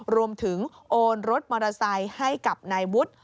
โอนรถมอเตอร์ไซค์ให้กับนายวุฒิ